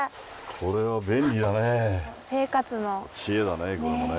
これは便利だね。